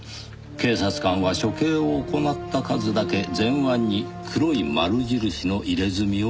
警察官は処刑を行った数だけ前腕に黒い丸印の入れ墨を入れるそうです。